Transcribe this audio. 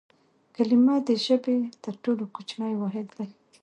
کلیمه د ژبي تر ټولو کوچنی واحد دئ.